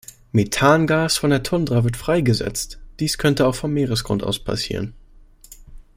Methangas von der Tundra wird freigesetzt, dies könnte auch vom Meeresgrund aus passieren.